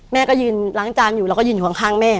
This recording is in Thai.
แม่ก็ยืนล้างจานอยู่แล้วก็ยืนอยู่ข้างแม่